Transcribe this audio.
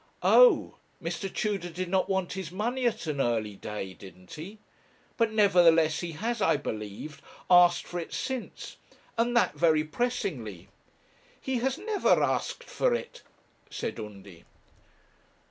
'Oh! Mr. Tudor did not want his money at an early day didn't he? But, nevertheless, he has, I believe, asked for it since, and that very pressingly?' 'He has never asked for it,' said Undy.